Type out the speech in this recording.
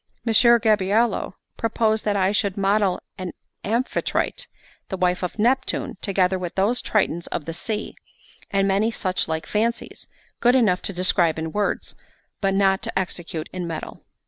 Messer Gabriello proposed that I should model an Amphitrite, the wife of Neptune, together with those Tritons of the sea, and many such like fancies, good enough to describe in words, but not to execute in metal.